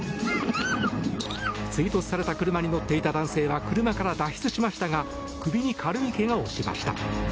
追突された車に乗っていた男性は車から脱出しましたが首に軽いけがをしました。